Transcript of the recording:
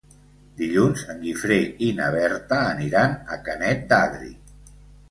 Dilluns en Guifré i na Berta aniran a Canet d'Adri.